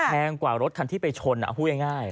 แทงกว่ารถที่ไปชนหุ้ยง่าย